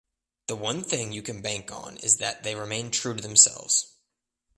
The one thing you can bank on is that they remain true to themselves.